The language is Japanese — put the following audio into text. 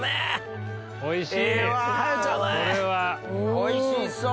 おいしそう！